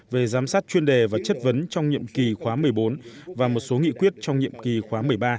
về giám sát chuyên đề và chất vấn trong nhiệm kỳ khóa một mươi bốn và một số nghị quyết trong nhiệm kỳ khóa một mươi ba